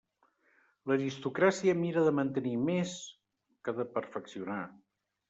L'aristocràcia mira de mantenir més que de perfeccionar.